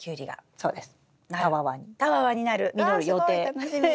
そうですね。